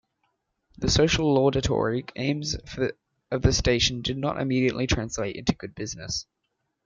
The socially laudatory aims of the station did not immediately translate into good business.